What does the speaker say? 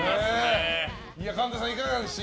神田さん、いかがでした？